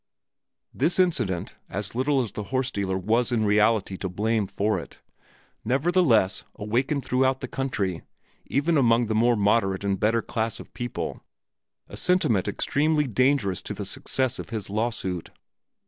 This incident, as little as the horse dealer was in reality to blame for it, nevertheless awakened throughout the country, even among the more moderate and better class of people, a sentiment extremely dangerous to the success of his lawsuit.